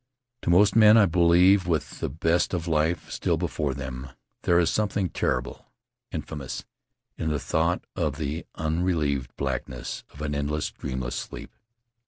To most men, I believe, with the best of life still before them, there is something terrible, infamous, in the thought of the unrelieved blackness of an endless, dreamless sleep.